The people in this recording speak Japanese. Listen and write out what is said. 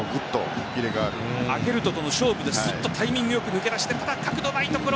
アゲルドとの勝負でタイミングよく抜け出してただ、角度のないところ。